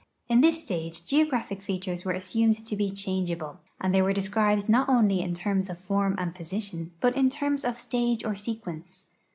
In this stage geographic features were assumed to he changeable, and they were described not only in terms of form and position, hut in terms of stage or sequence.